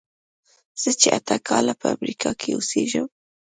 زه چې اته کاله په امریکا کې اوسېږم.